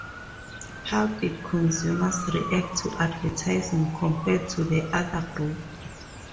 How did consumers react to advertising compared to the other group?